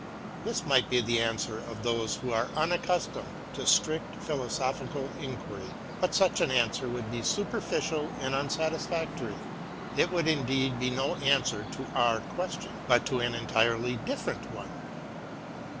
This might be the answer of those who are unaccustomed to strict philosophical inquiry. But such an answer would be superficial and unsatisfac tory ; it would indeed be no answer to our question, but to to an entirely different one.